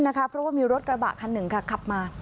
เพราะว่ามีรถกระบะคันหนึ่งค่ะขับมา